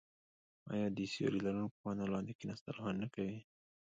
آیا د سیوري لرونکو ونو لاندې کیناستل خوند نه کوي؟